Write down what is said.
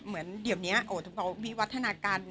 เหมือนเดี๋ยวเนี้ยโอ๊ะทุกพวกเรามีวัฒนาการ